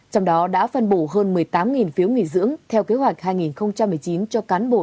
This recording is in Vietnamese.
trong đó đã phân bổ hơn một mươi tám phiếu nghỉ dưỡng theo kế hoạch hai nghìn một mươi chín cho cán bộ